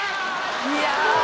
いや！